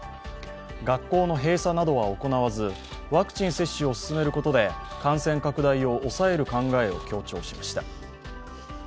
学校の閉鎖などは行わず、ワクチン接種を進めることで感染拡大を抑える考えを強調しました。